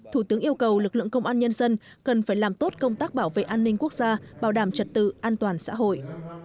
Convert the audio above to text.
thủ tướng yêu cầu lực lượng công an nhân dân cần phải làm tốt công tác bảo vệ an ninh quốc gia bảo đảm trật tự an toàn xã hội